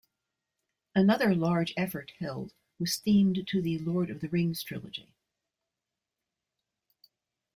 Another large effort held was themed to the "Lord of the Rings" trilogy.